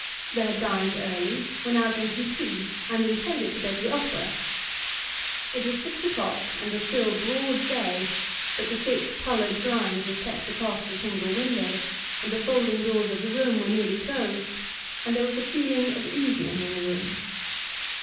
They had dined early, were now drinking tea, and intended to go to the opera. It was six o'clock, and was still broad day, but the thick coloured blind was kept across the single window, and the folding doors of the room were nearly closed, and there was a feeling of evening in the room.